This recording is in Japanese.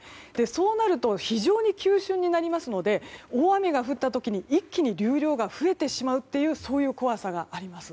そうなると、非常に急峻になりますので大雨が降った時に一気に流量が増えてしまうという怖さがあります。